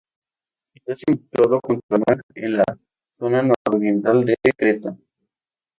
Está situado junto al mar, en la zona nororiental de Creta.